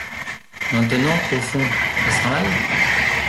Maintenant, au fond, est-ce un mal ?